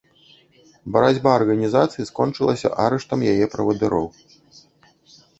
Барацьба арганізацыі скончылася арыштам яе правадыроў.